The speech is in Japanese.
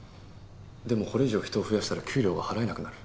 でもこれ以上人を増やしたら給料が払えなくなる。